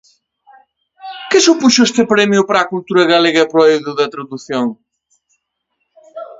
Que supuxo este premio para a cultura galega e para o eido da tradución?